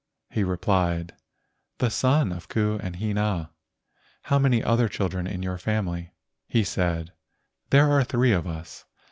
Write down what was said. He replied, "The son of Ku and Hina." "How many other children in your family?" He said: "There are three of us.